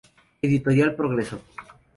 Editorial Progreso.